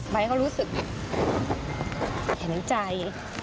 ไบร์ทเขารู้สึกเห็นใจ